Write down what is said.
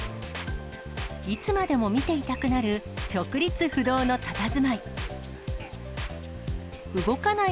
いつまでも見ていたくなる直立不動のたたずまい。